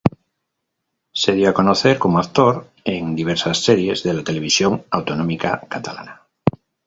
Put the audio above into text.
Se dio a conocer como actor en diversas series de la televisión autonómica catalana.